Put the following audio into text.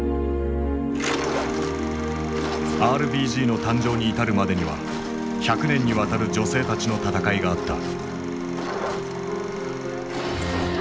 ＲＢＧの誕生に至るまでには百年にわたる女性たちの闘いがあった。